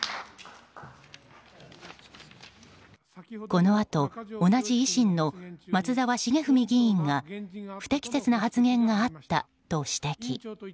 このあと同じ維新の松沢成文議員が不適切な発言があったと指摘。